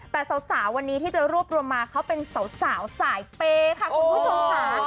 แต่สาววันนี้ที่จะรวบรวมมาเขาเป็นสาวสายเปย์ค่ะคุณผู้ชมค่ะ